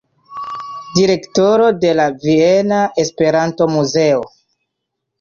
Direktoro de la viena Esperanto-muzeo.